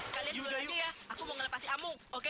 kalian dulu aja ya aku mau ngelepasin amung oke